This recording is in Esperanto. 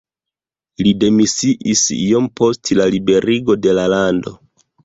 Li demisiis iom post la liberigo de la lando.